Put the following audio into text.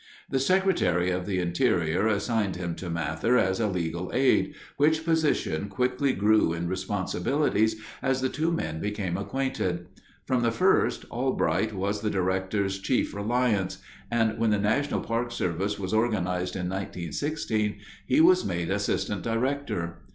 The Secretary of the Interior assigned him to Mather as a legal aid, which position quickly grew in responsibilities as the two men became acquainted. From the first, Albright was the Director's chief reliance, and when the National Park Service was organized in 1916, he was made Assistant Director.